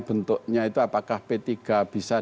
bentuknya itu apakah p tiga bisa